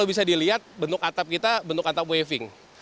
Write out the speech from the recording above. bisa dilihat bentuk atap kita bentuk atap waving